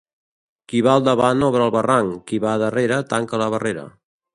Qui va al davant obre el barranc, qui va darrere tanca la barrera.